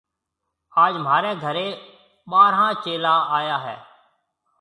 اج مهاريَ گهريَ ٻارهان چيلا آيا هيَ۔